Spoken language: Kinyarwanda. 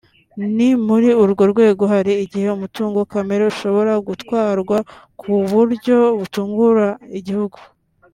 ni muri urwo rwego hari igihe umutungo kamere ushobora gutwarwa ku buryo butungura igihugu